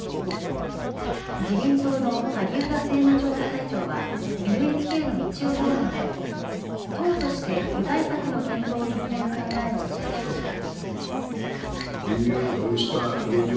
自民党の萩生田政務調査会長はＮＨＫの日曜討論で党として具体策の検討を進める考えを示しました。